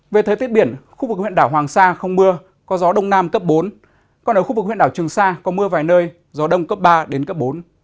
về thời tiết biển khu vực huyện đảo hoàng sa không mưa có gió đông nam cấp bốn còn ở khu vực huyện đảo trường sa có mưa vài nơi gió đông cấp ba đến cấp bốn